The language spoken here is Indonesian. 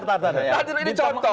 tidak ini contoh